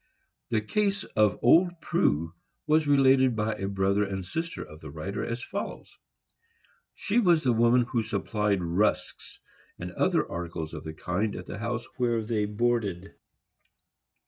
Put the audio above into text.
The case of old Prue was related by a brother and sister of the writer, as follows: She was the woman who supplied rusks and other articles of the kind at the house where they boarded.